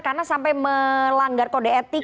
karena sampai melanggar kode etik